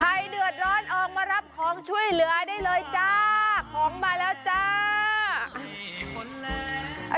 ใครเดือดร้อนออกมารับของช่วยเหลือได้เลยจ้าของมาแล้วจ้า